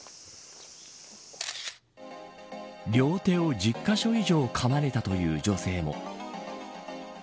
両手を１０カ所以上かまれたという女性も。